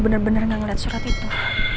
bener bener gak liat surat itu